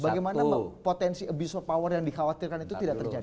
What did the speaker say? bagaimana potensi abuse of power yang dikhawatirkan itu tidak terjadi